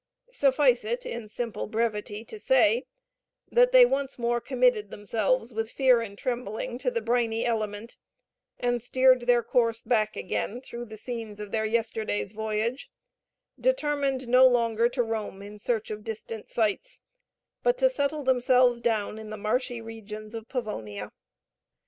Suffice it in simple brevity to say, that they once more committed themselves, with fear and trembling, to the briny element, and steered their course back again through the scenes of their yesterday's voyage, determined no longer to roam in search of distant sites, but to settle themselves down in the marshy regions of Pavonia.